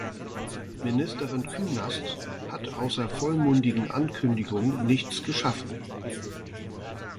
Ministerin Künast hat außer vollmundigen Ankündigungen nichts geschaffen.